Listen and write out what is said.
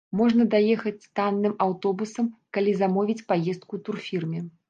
Можна даехаць танным аўтобусам, калі замовіць паездку ў турфірме.